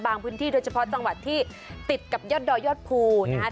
พื้นที่โดยเฉพาะจังหวัดที่ติดกับยอดดอยยอดภูนะครับ